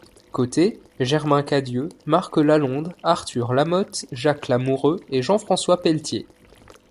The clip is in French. Coté, Germain Cadieux, Marc Lalonde, Arthur Lamothe, Jacques Lamoureux et Jean-François Pelletier.